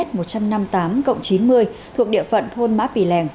thuộc địa phận thôn mã pì lèng